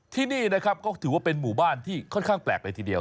ที่นี่นะครับก็ถือว่าเป็นหมู่บ้านที่ค่อนข้างแปลกเลยทีเดียว